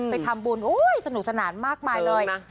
ไปทำบุญโอ้ยสนุกสนานมากมายเลย